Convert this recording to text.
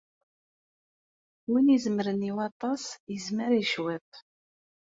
Win izemren i waṭas, yezmer i cwiṭ.